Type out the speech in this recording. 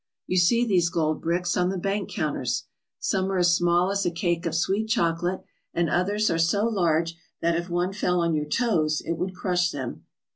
You see these gold bricks on the bank counters. Some are as small as a cake of sweet chocolate and others are so large that if one fell on your toes it would crush them.